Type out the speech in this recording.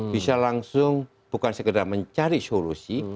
bisa langsung bukan sekedar mencari solusi